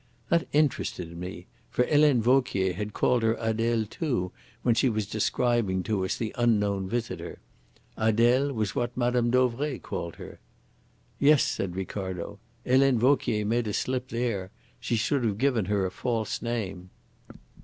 That interested me, for Helene Vauquier had called her Adele too when she was describing to us the unknown visitor. 'Adele' was what Mme. Dauvray called her." "Yes," said Ricardo. "Helene Vauquier made a slip there. She should have given her a false name."